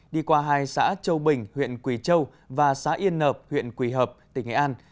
đi qua hai xã châu bình huyện quỳ châu và xã yên nợp huyện quỳ hợp tỉnh nghệ an